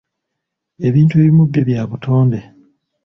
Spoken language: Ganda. Ebintu ebimu byo bya butonde.